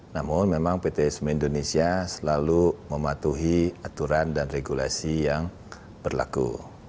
namun memang pt semen indonesia selalu mematuhi aturan dan regulasi yang berlaku